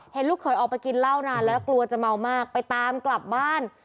ลูกเขยออกไปกินเหล้านานแล้วกลัวจะเมามากไปตามกลับบ้าน